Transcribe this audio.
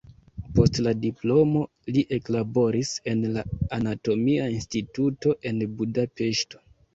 Post la diplomo li eklaboris en la anatomia instituto en Budapeŝto.